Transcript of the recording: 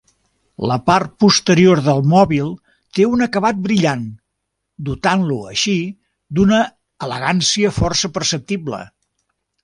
La part posterior del mòbil té un acabat brillant, dotant-lo, així, d'una elegància força perceptible.